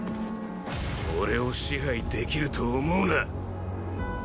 俺を支配できると思うな！